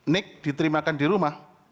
nik diterimakan di rumah